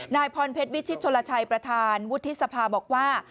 นายพรเพชรวิชิตชนลชัยประธานวุฒิสภาบอกว่า